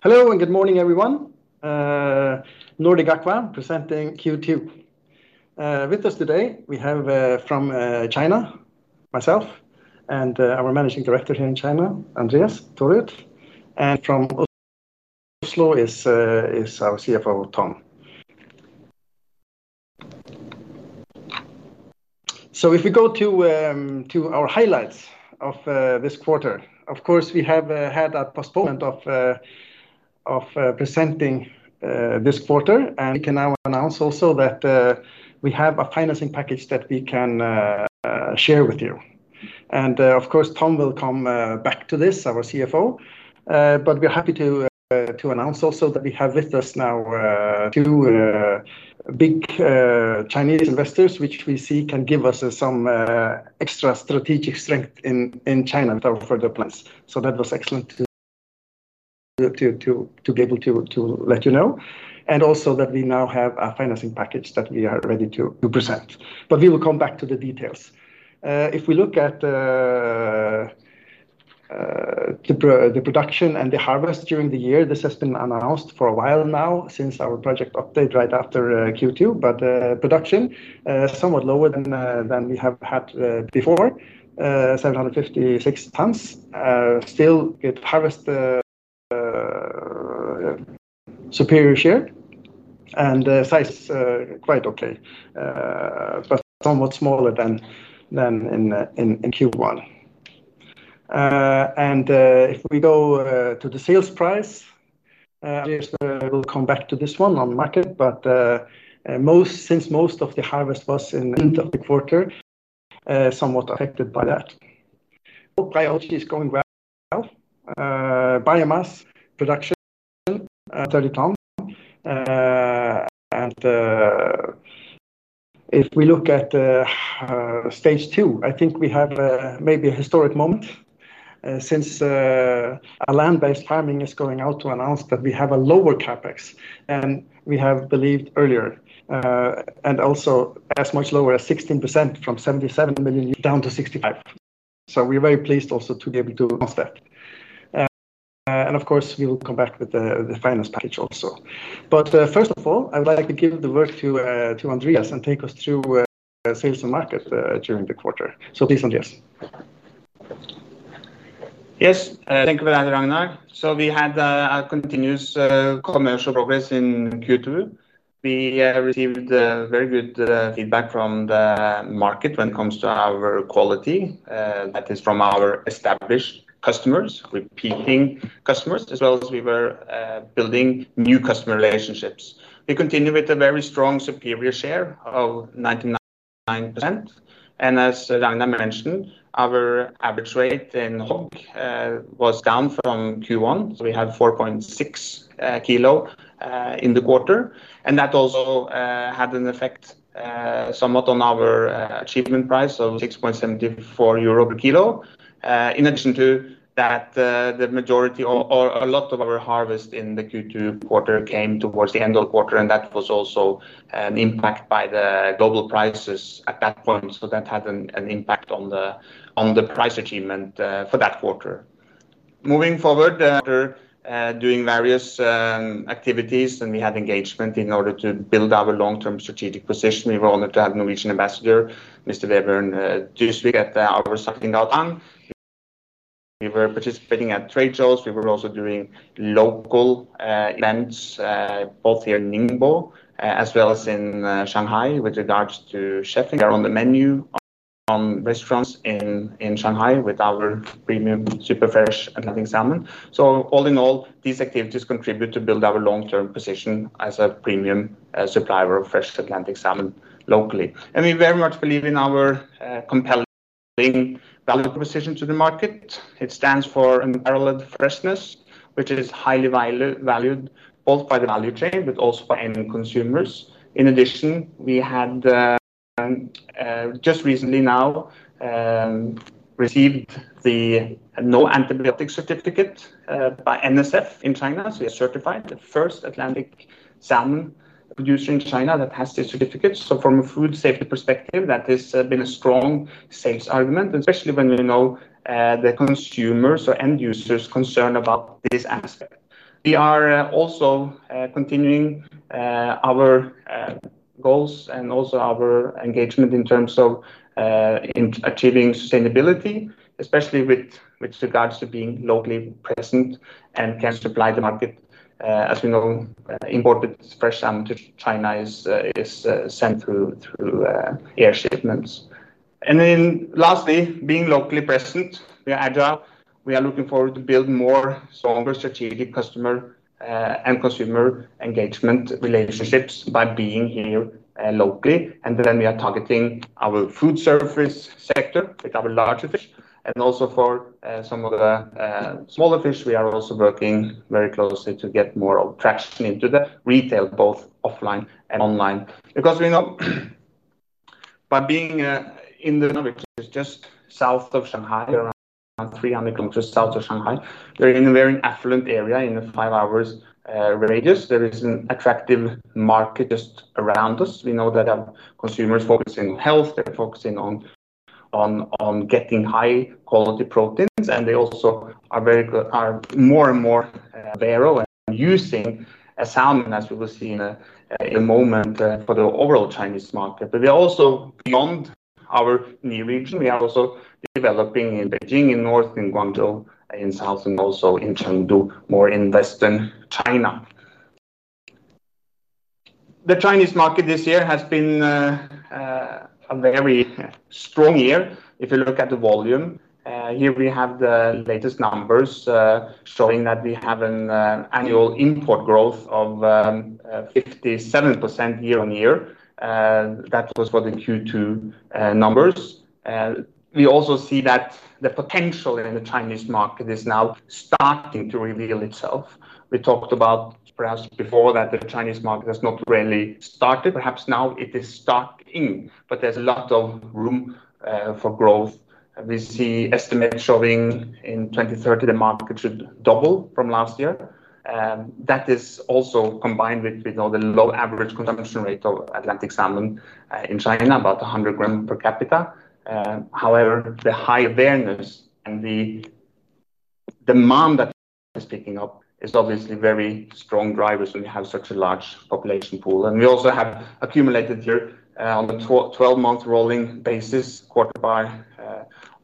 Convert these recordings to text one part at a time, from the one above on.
Hello and good morning, everyone. Nordic Aqua Partners presenting Q2. With us today, we have, from China, myself and our Managing Director here in China, Andreas Thorud. From Oslo is our CFO, Tom Johan Austrheim. If we go to our highlights of this quarter, of course, we have had a postponement of presenting this quarter. We can now announce also that we have a financing package that we can share with you. Tom will come back to this, our CFO. We're happy to announce also that we have with us now two big Chinese investors, which we see can give us some extra strategic strength in China with our further plans. That was excellent to be able to let you know. Also, that we now have a financing package that we are ready to present. We will come back to the details. If we look at the production and the harvest during the year, the system announced for a while now since our project update right after Q2, but production somewhat lower than we have had before. 756 tons. Still, it harvests superior share and size, quite okay, but somewhat smaller than in Q1. If we go to the sales price, I'm just, we'll come back to this one on market, but most, since most of the harvest was in the quarter, somewhat affected by that. Oak biology is going well. Biomass production, 30 ton. If we look at stage two, I think we have maybe a historic moment, since a land-based farming is going out to announce that we have a lower CapEx than we have believed earlier, and also as much lower as 16% from $77 million down to $65 million. We're very pleased also to be able to announce that. We will come back with the finance package also. First of all, I would like to give the word to Andreas and take us through sales and market during the quarter. So please, Andreas. Yes, thank you very much, Ragnar. We had a continuous, commercial progress in Q2. We received very good feedback from the market when it comes to our quality, that is from our established customers, repeating customers, as well as we were building new customer relationships. We continue with a very strong superior share of 99%. As Ragnar mentioned, our average weight in hog was down from Q1. We had 4.6 kilo in the quarter, and that also had an effect somewhat on our achievement price of €6.74 per kilo. In addition to that, the majority or a lot of our harvest in the Q2 quarter came towards the end of the quarter, and that was also an impact by the global prices at that point. That had an impact on the price achievement for that quarter. Moving forward, we were doing various activities, and we had engagement in order to build our long-term strategic position. We were honored to have Norwegian Ambassador, Mr. Vebjørn Dusvik, at our stocking down. We were participating at trade shows. We were also doing local events, both here in Ningbo, as well as in Shanghai with regards to chefing on the menu from restaurants in Shanghai with our premium super fresh Atlantic salmon. All in all, these activities contribute to build our long-term position as a premium supplier of fresh Atlantic salmon locally. We very much believe in our compelling value proposition to the market. It stands for an arrow of freshness, which is highly valued both by the value chain, but also for end consumers. In addition, we had just recently now received the no antibiotic certificate by NSF in China. We are certified the first Atlantic salmon producer in China that has this certificate. From a food safety perspective, that has been a strong sales argument, especially when we know the consumers or end users are concerned about this aspect. We are also continuing our goals and also our engagement in terms of achieving sustainability, especially with regards to being locally present and can supply the market. As we know, imported fresh salmon to China is sent through air shipments. Lastly, being locally present, we are agile. We are looking forward to build more stronger strategic customer and consumer engagement relationships by being here locally. We are targeting our food service sector with our larger fish. For some of the smaller fish, we are also working very closely to get more of traffic into the retail, both offline and online. We know by being in Ningbo, which is just south of Shanghai, around 300 kilometers south of Shanghai, we're in a very affluent area in the five-hour radius. There is an attractive market just around us. We know that our consumers focus on health. They're focusing on getting high-quality proteins, and they also are very good, are more and more, barrel and using a salmon, as we will see in a moment, for the overall Chinese market. They're also beyond our new region. We are also developing in Beijing in north, in Guangzhou in south, and also in Chengdu, more in western China. The Chinese market this year has been a very strong year. If you look at the volume, here we have the latest numbers, showing that we have an annual import growth of 57% year on year. That was for the Q2 numbers. We also see that the potential in the Chinese market is now starting to reveal itself. We talked about perhaps before that the Chinese market has not really started. Perhaps now it is starting, but there's a lot of room for growth. We see estimates showing in 2030 the market should double from last year. That is also combined with the low average consumption rate of Atlantic salmon in China, about 100 grams per capita. However, the high awareness and the demand that is picking up is obviously a very strong driver. We have such a large population pool. We also have accumulated here, on the 12-month rolling basis, quarter by,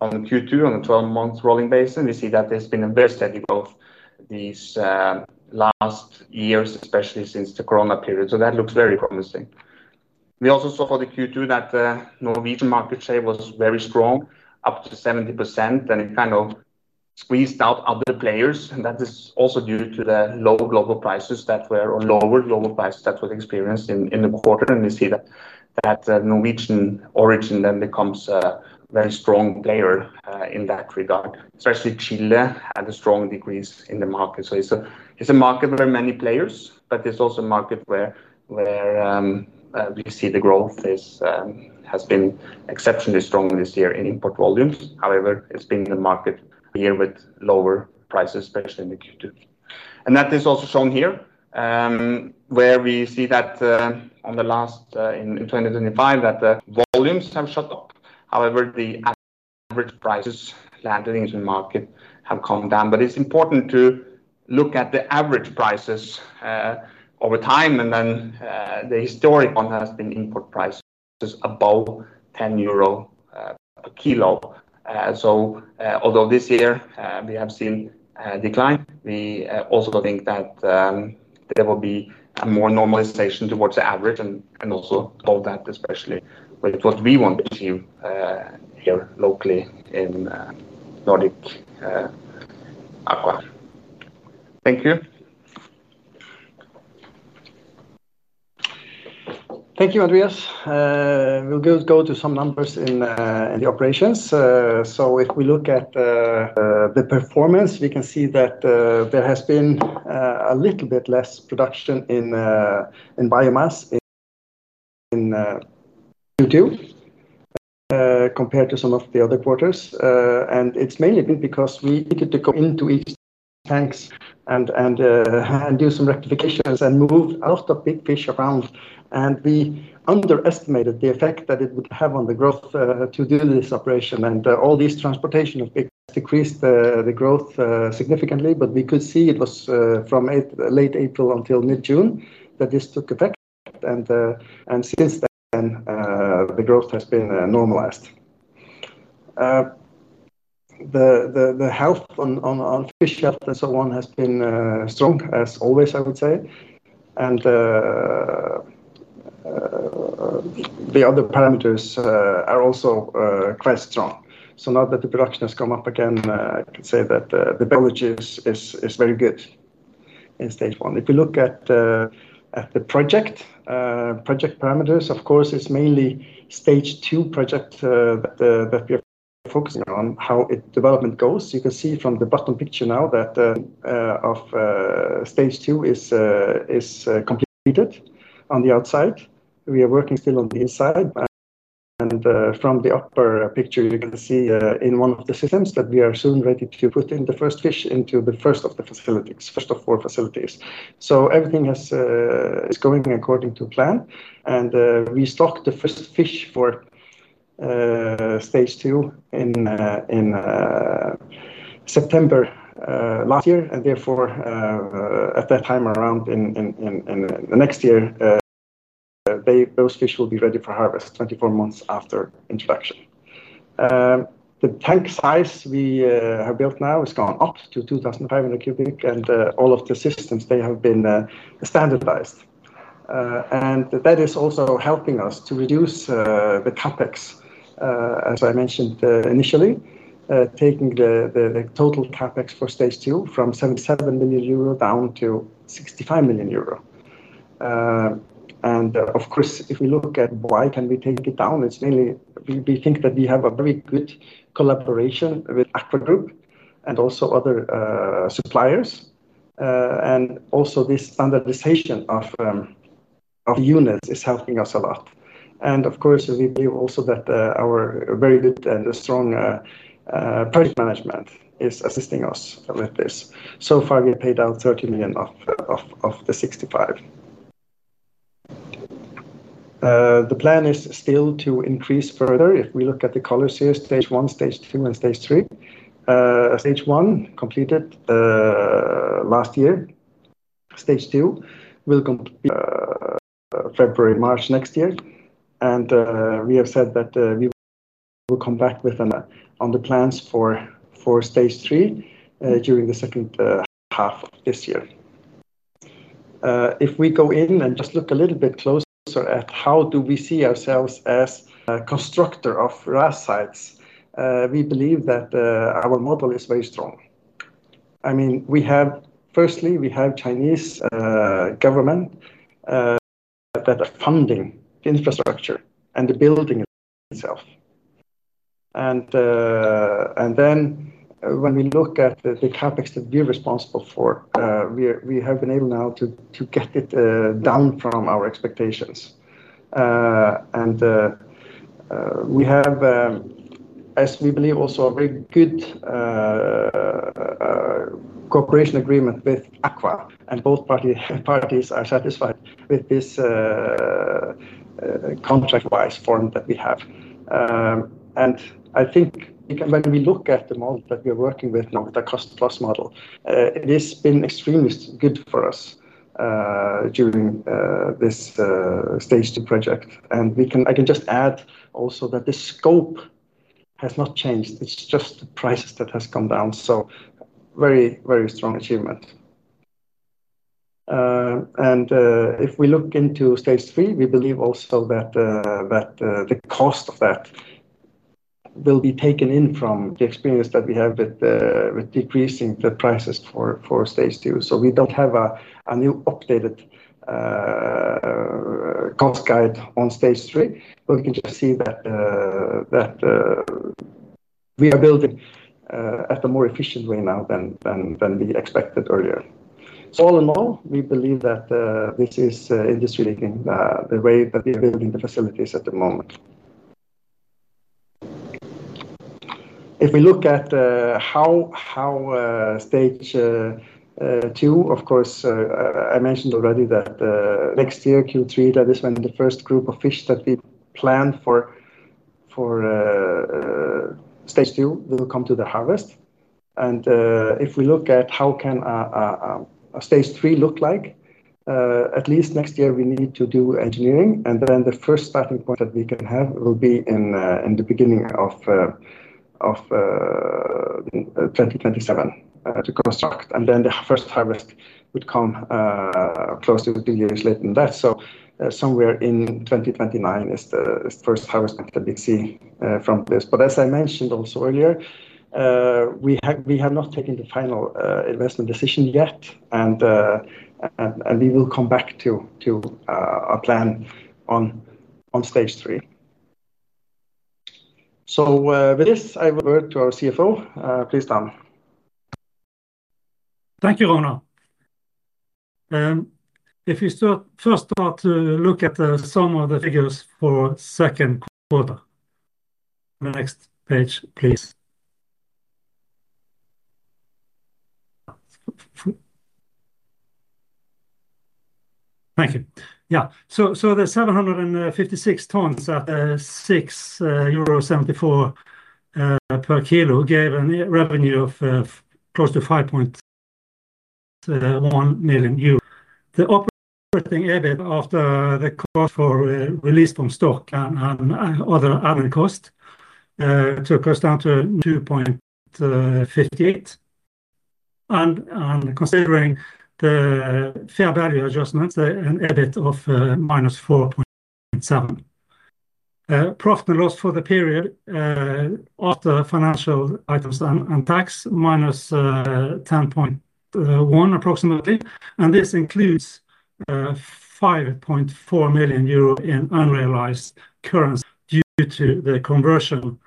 on the Q2, on the 12-month rolling basis. We see that there's been a very steady growth these last years, especially since the corona period. That looks very promising. We also saw for the Q2 that the Norwegian market share was very strong, up to 70%, and it kind of squeezed out other players. That is also due to the low global prices that were, or lower global prices that were experienced in the quarter. We see that Norwegian origin then becomes a very strong player in that regard, especially Chile had a strong decrease in the market. It's a market where many players, but it's also a market where we see the growth has been exceptionally strong this year in import volumes. However, it's been in the market here with lower prices, especially in the Q2. That is also shown here, where we see that, in 2025, the volumes have shut off. However, the average prices landed into the market have come down. It's important to look at the average prices over time. The historic one has been import prices above €10 per kilo. Although this year we have seen a decline, we also think that there will be a more normalization towards the average and also above that, especially with what we want to achieve here locally in Nordic Aqua Partners. Thank you. Thank you, Andreas. We'll go to some numbers in the operations. If we look at the performance, we can see that there has been a little bit less production in biomass in Q2 compared to some of the other quarters. It's mainly been because we needed to go into each tank and do some rectifications and move a lot of big fish around. We underestimated the effect that it would have on the growth to do this operation. All these transportation decreased the growth significantly. We could see it was from late April until mid-June that this took effect. Since then, the growth has been normalized. The health on fish shelters and so on has been strong, as always, I would say. The other parameters are also quite strong. Now that the production has come up again, I could say that the biology is very good in stage one. If you look at the project parameters, of course, it's mainly stage two project that we are focusing on, how its development goes. You can see from the bottom picture now that stage two is completed on the outside. We are working still on the inside. From the upper picture, you can see in one of the systems that we are soon ready to put in the first fish into the first of the facilities, first of four facilities. Everything is going according to plan. We stocked the first fish for stage two in September last year. Therefore, at that time around in the next year, those fish will be ready for harvest 24 months after introduction. The tank size we have built now has gone up to 2,500 cubic, and all of the systems have been standardized. That is also helping us to reduce the CapEx, as I mentioned initially, taking the total CapEx for stage two from €77 million down to €65 million. If we look at why we can take it down, it's mainly we think that we have a very good collaboration with Aqua Group and also other suppliers. This standardization of units is helping us a lot. We believe also that our very good and strong project management is assisting us with this. So far, we paid out €30 million of the €65 million. The plan is still to increase further. If we look at the colors here, stage one, stage two, and stage three. Stage one completed last year. Stage two will complete February, March next year. We have said that we will come back with an update on the plans for stage three during the second half of this year. If we go in and just look a little bit closer at how we see ourselves as a constructor of Recirculating Aquaculture System sites, we believe that our model is very strong. We have, firstly, the Chinese government that are funding infrastructure and the building itself. When we look at the CapEx that we're responsible for, we have been able now to get it down from our expectations. We have, as we believe, also a very good cooperation agreement with Aqua Group, and both parties are satisfied with this contract-wise form that we have. I think when we look at the model that we are working with now, the cost-plus model, it has been extremely good for us during this stage two project. I can just add also that the scope has not changed. It's just the price that has come down. Very, very strong achievement. If we look into stage three, we believe also that the cost of that will be taken in from the experience that we have with decreasing the prices for stage two. We don't have a new updated cost guide on stage three, but we can just see that we are building in a more efficient way now than we expected earlier. All in all, we believe that this is industry leading, the way that we're building the facilities at the moment. If we look at how stage two, of course, I mentioned already that next year, Q3, that is when the first group of fish that we planned for stage two will come to the harvest. If we look at how a stage three could look, at least next year, we need to do engineering. The first starting point that we can have will be in the beginning of 2027 to construct, and then the first harvest would come close to two years later than that. Somewhere in 2029 is the first harvest that we see from this. As I mentioned also earlier, we have not taken the final investment decision yet, and we will come back to a plan on stage three. With this, I will hand over to our CFO. Please, Tom. Thank you, Ronald. If you first start to look at some of the figures for the second quarter, the next page, please. Thank you. The 756 tons at €6.74 per kilo gave a revenue of close to €5.1 million. The operating EBIT after the cost for release from stock and other added costs took us down to €2.58 million. Considering the fair value adjustment, an EBIT of minus €4.7 million. Profit and loss for the period, after financial items and tax, minus €10.1 million approximately. This includes €5.4 million in unrealized currency due to the conversion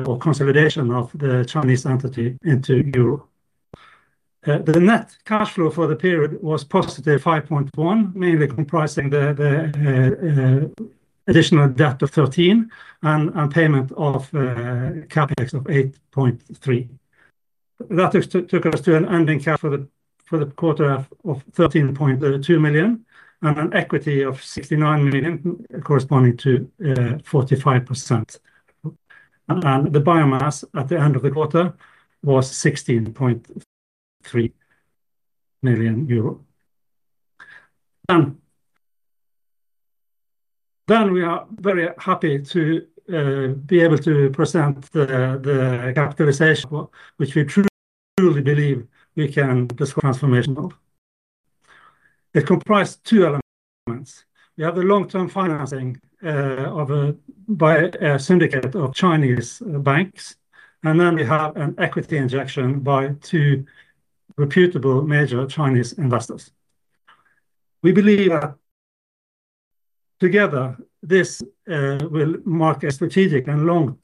or consolidation of the Chinese entity into euro. The net cash flow for the period was positive €5.1 million, mainly comprising the additional debt of €13 million and payment of CapEx of €8.3 million. That took us to an ending capital for the quarter of €13.2 million and an equity of €69 million, corresponding to 45%. The biomass at the end of the quarter was €16.3 million. We are very happy to be able to present the capitalization, which we truly believe can be transformational. It comprised two elements. We have the long-term financing by a syndicate of Chinese banks. We also have an equity injection by two reputable major Chinese investors. We believe that together, this strategic long-term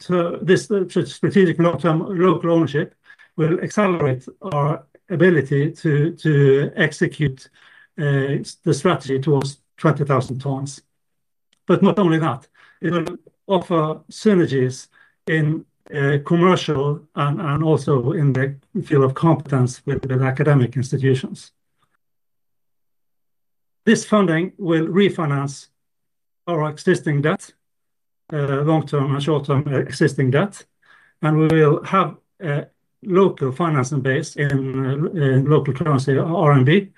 local ownership will accelerate our ability to execute the strategy towards 20,000 tons. It will offer synergies in commercial and also in the field of competence with academic institutions. This funding will refinance our existing debt, long-term and short-term existing debt. We will have a local financing base in local currency, RMB,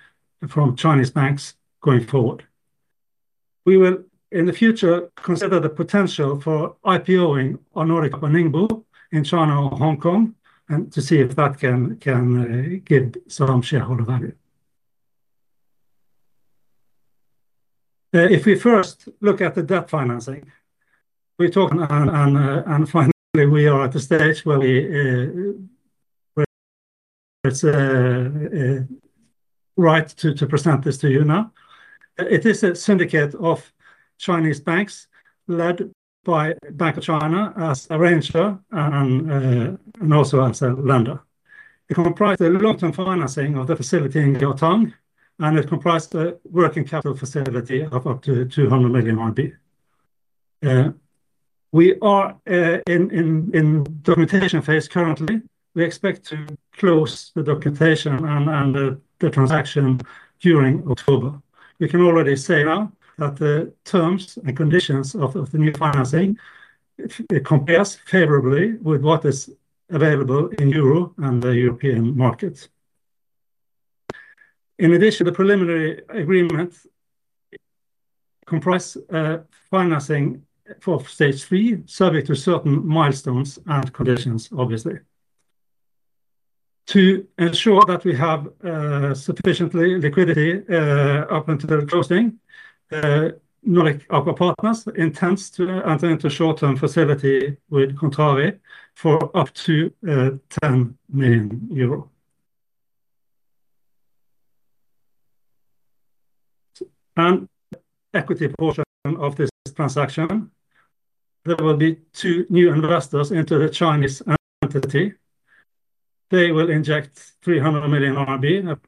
from Chinese banks going forward. In the future, we will consider the potential for IPO-ing on Nordic Aqua Ningbo in China or Hong Kong and to see if that can give some shareholder value. If we first look at the debt financing, we talked and finally, we are at the stage where we have the right to present this to you now. It is a syndicate of Chinese banks led by Bank of China as arranger and also as a lender. It comprised a long-term financing of the facility in Jiaotang, and it comprised the working capital facility of up to 200 million RMB. We are in the documentation phase currently. We expect to close the documentation and the transaction during October. You can already say now that the terms and conditions of the new financing compare favorably with what is available in euro and the European markets. In addition, the preliminary agreement comprised financing for stage three, subject to certain milestones and conditions, obviously. To ensure that we have sufficient liquidity up until closing, Nordic Aqua Partners intends to enter into a short-term facility with Contrari for up to €10 million. An equity portion of this transaction, there will be two new investors into the Chinese entity. They will inject 300 million RMB,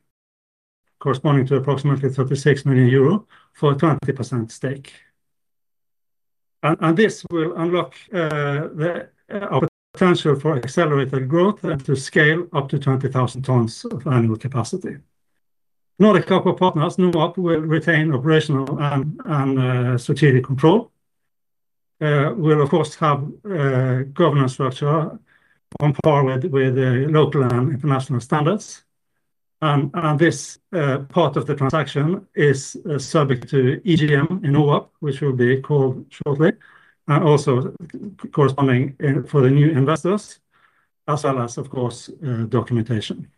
corresponding to approximately €36 million for a 20% stake. This will unlock the potential for accelerated growth and to scale up to 20,000 tons of annual capacity. Nordic Aqua Partners will retain operational and strategic control. We will, of course, have a governance structure on par with local and international standards. This part of the transaction is subject to EGM in OWAP, which will be called shortly, and also corresponding for the new investors, as well as, of course, documentation.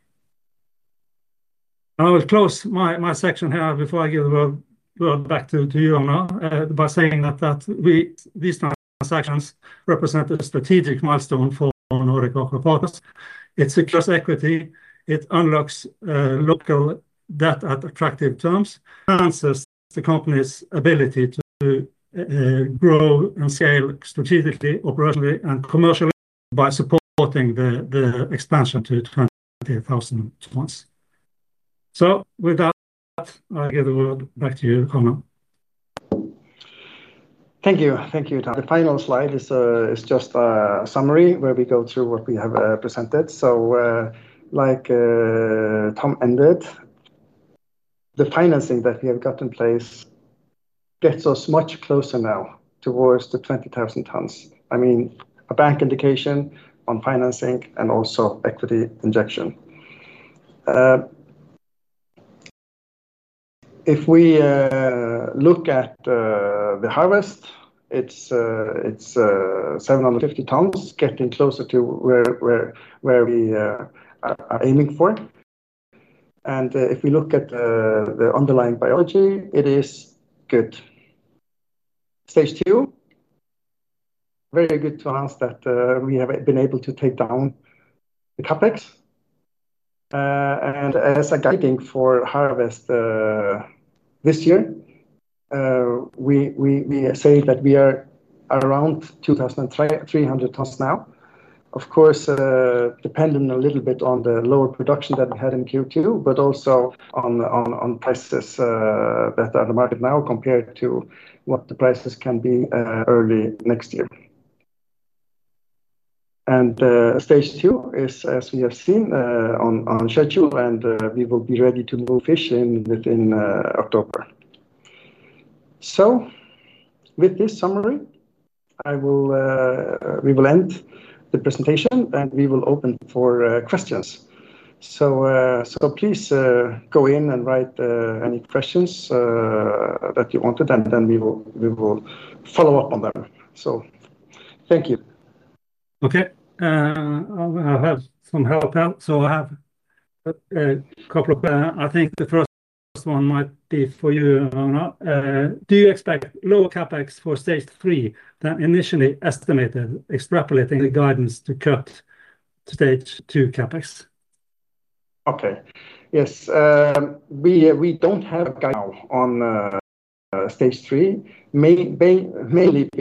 I will close my section here before I give the word back to you, Ronna, by saying that these transactions represent a strategic milestone for Nordic Aqua Partners. It's a class equity. It unlocks local debt at attractive terms. It enhances the company's ability to grow and scale strategically, operationally, and commercially by supporting the expansion to 20,000 tons. With that, I give the word back to you, Connor. Thank you. Thank you, Tom. The final slide is just a summary where we go through what we have presented. Like Tom ended, the financing that we have got in place gets us much closer now towards the 20,000 tons. I mean, a bank indication on financing and also equity injection. If we look at the harvest, it's 750 tons, getting closer to where we are aiming for. If we look at the underlying biology, it is good. Stage two, very good to announce that we have been able to take down the CapEx. As a guiding for harvest this year, we say that we are around 2,300 tons now. Of course, depending a little bit on the lower production that we had in Q2, but also on prices that are in the market now compared to what the prices can be early next year. Stage two is, as we have seen, on schedule, and we will be ready to move fish in within October. With this summary, we will end the presentation, and we will open for questions. Please go in and write any questions that you wanted, and then we will follow up on them. Thank you. Okay, I have a couple of questions. I think the first one might be for you, Ragnar. Do you expect lower CapEx for stage three than initially estimated, extrapolating the guidance to cut to stage two CapEx? Okay. Yes. We don't have a guidance now on stage three. Mainly,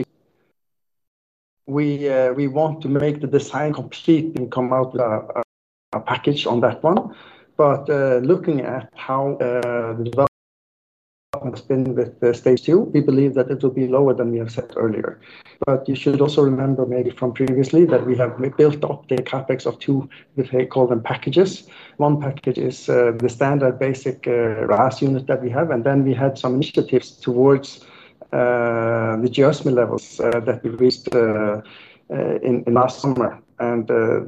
we want to make the design complete and come out with a package on that one. Looking at how we've been with stage two, we believe that it will be lower than we have said earlier. You should also remember maybe from previously that we have built up the CapEx of two, we call them packages. One package is the standard basic Recirculating Aquaculture System unit that we have. We had some initiatives towards the adjustment levels that we reached in last summer.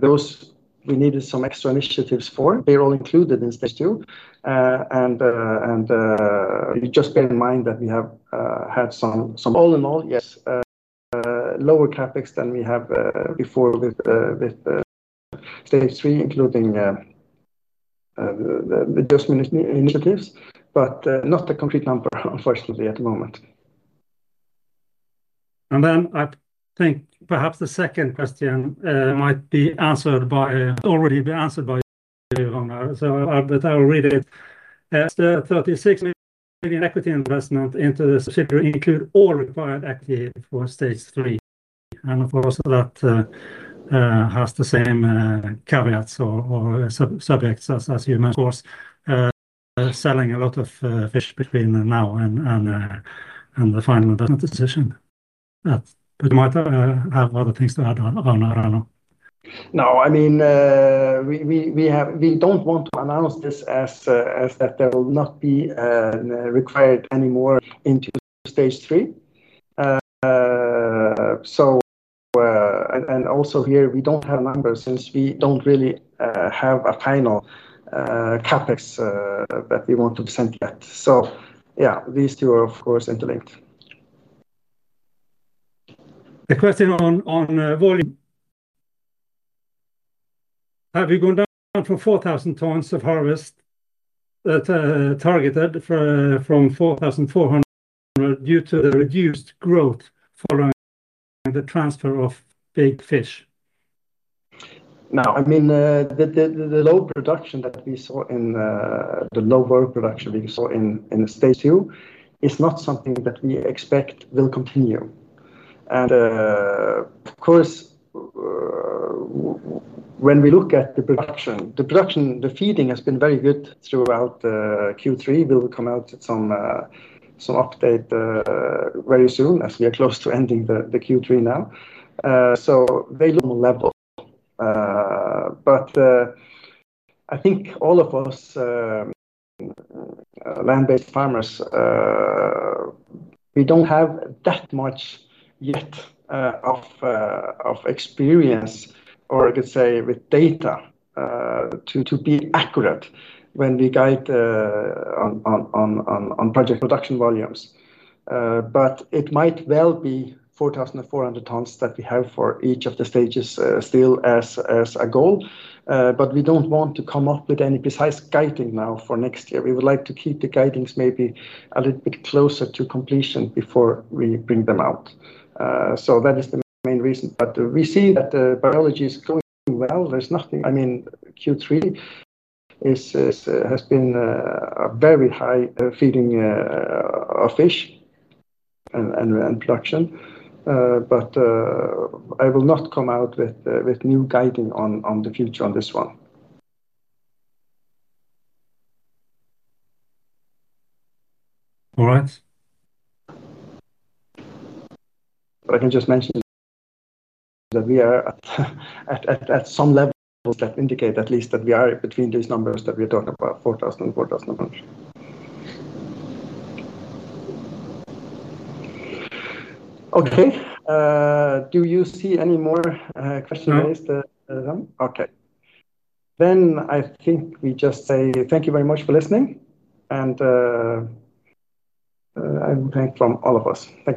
Those we needed some extra initiatives for. They're all included in stage two. Just bear in mind that we have had some. All in all, yes, lower CapEx than we have before with stage three, including adjustment initiatives, but not a concrete number, unfortunately, at the moment. I think perhaps the second question might already be answered by you, Ronna. I'll read it. Does the $36 million equity investment into the subsidiary include all required equity for stage three? That has the same caveats or subjects as you mentioned. Of course, selling a lot of fish between now and the final business decision. We might have other things to add on, Ronna. No, I mean, we don't want to announce this as that there will not be required any more into stage three. Also, we don't have numbers since we don't really have a final CapEx that we want to present yet. These two are, of course, interlinked. The question on volume. Have you gone down from 4,000 tons of harvest targeted from 4,400 due to the reduced growth following the transfer of big fish? No, I mean, the low production that we saw in stage two is not something that we expect will continue. Of course, when we look at the production, the feeding has been very good throughout Q3. We will come out with some update very soon as we are close to ending Q3 now. They look level. I think all of us land-based farmers, we don't have that much yield of experience, or I could say with data to be accurate when we guide on project production volumes. It might well be 4,400 tons that we have for each of the stages still as a goal. We don't want to come up with any precise guiding now for next year. We would like to keep the guidance maybe a little bit closer to completion before we bring them out. That is the main reason. We see that the biology is going well. There's nothing, I mean, Q3 has been a very high feeding of fish and production. I will not come out with new guiding on the future on this one. All right. I can just mention that we are at some level that indicates at least that we are between these numbers that we are talking about, 4,000 and 4,100. Okay. Do you see any more questions? I think we just say thank you very much for listening. I thank you from all of us. Thank you.